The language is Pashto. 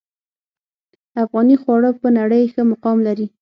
افغاني خواړه په نړۍ ښه مقام لري